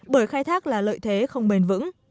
bởi khai thác là lợi thế không bền vững